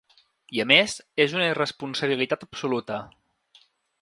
I, a més, és una irresponsabilitat absoluta.